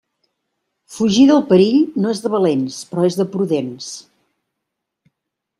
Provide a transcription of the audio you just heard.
Fugir del perill no és de valents, però és de prudents.